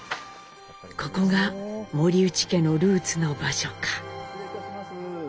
ここが森内家のルーツの場所か。